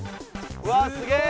うわっすげえ！